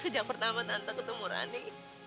sejak pertama tanto ketemu rani